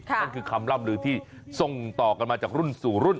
นั่นคือคำล่ำลือที่ส่งต่อกันมาจากรุ่นสู่รุ่น